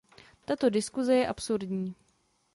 Tato diskuse je absurdní.